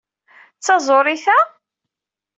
D taẓuri ta?